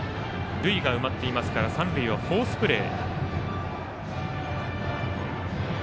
塁が埋まっていますから三塁はフォースプレー。